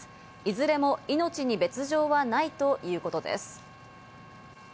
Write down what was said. いずれも命に別条はないということです。